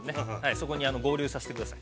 そこに合流させてください。